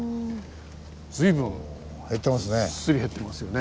随分すり減ってますよね。